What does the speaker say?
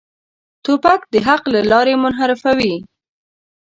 توپک د حق له لارې منحرفوي.